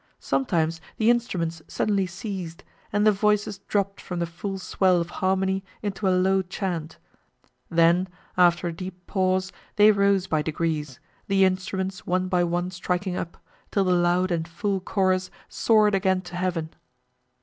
Sometimes the instruments suddenly ceased, and the voices dropped from the full swell of harmony into a low chant; then, after a deep pause, they rose by degrees, the instruments one by one striking up, till the loud and full chorus soared again to heaven!